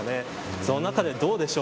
その中で、どうでしょう。